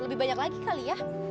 lebih banyak lagi kali ya